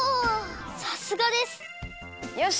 さすがです！よし！